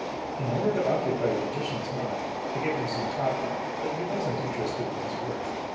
In order to occupy the magician's mind, I gave him some copy ing, but he was n't interested in his work.